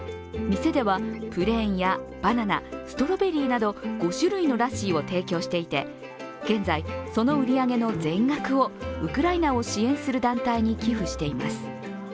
店ではプレーンやバナナ、ストロベリーなど５種類のラッシーを提供していて、現在、その売り上げの全額をウクライナを支援する団体に寄付しています。